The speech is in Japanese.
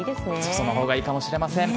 その方がいいかもしれません。